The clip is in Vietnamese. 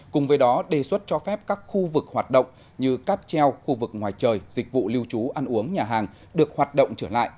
cùng với đó đề xuất cho phép các khu vực hoạt động như cáp treo khu vực ngoài trời dịch vụ lưu trú ăn uống nhà hàng được hoạt động trở lại